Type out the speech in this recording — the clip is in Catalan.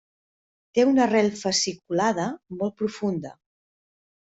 Té una rel fasciculada molt profunda.